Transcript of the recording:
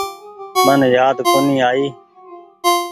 من يآد ڪونيٚ آئي۔